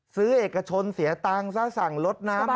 ซื้อเอกชนเสียตังซะสั่งรถน้ำมา